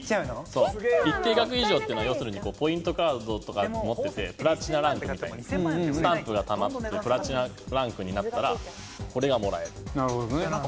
そう一定額以上っていうのは要するにポイントカードとか持っててプラチナランクみたいにスタンプがたまってプラチナランクになったらこれがもらえるなるほどね